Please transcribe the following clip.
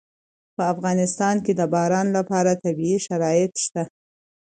په افغانستان کې د باران لپاره طبیعي شرایط شته.